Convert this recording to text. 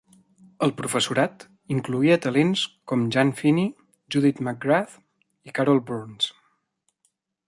El professorat incloïa talents com June Finney, Judith McGrath i Carol Burns.